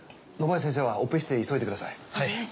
野林先生はオペ室へ急いでください。